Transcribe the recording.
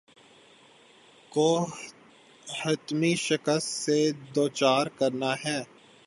کو حتمی شکست سے دوچار کرنا ہے۔